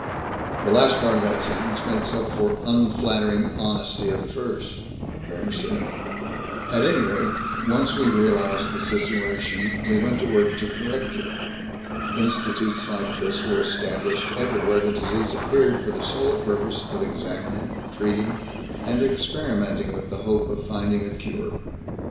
"The last part of that sentence makes up for unflattering honesty of the first," Kramer said. "At any rate, once we realized the situation we went to work to correct it. Institutes like this were established everywhere the disease appeared for the sole purpose of examining, treating, and experimenting with the hope of finding a cure.